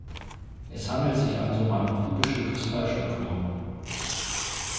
Es handelt sich also um eine kubische Kristallstruktur.